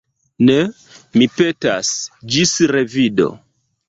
Ne, mi petas: ĝis revido!